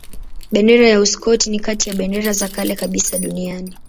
Bendera ya Uskoti ni kati ya bendera za kale kabisa duniani.